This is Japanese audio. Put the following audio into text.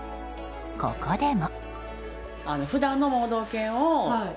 ここでも。